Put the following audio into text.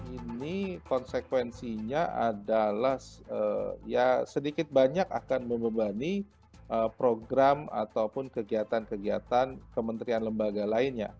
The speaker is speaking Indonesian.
ini konsekuensinya adalah ya sedikit banyak akan membebani program ataupun kegiatan kegiatan kementerian lembaga lainnya